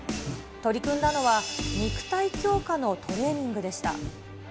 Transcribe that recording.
取り組んだのは、肉体強化のトレーニングでした。